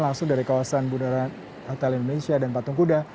langsung dari kawasan bundaran hotel indonesia dan patung kuda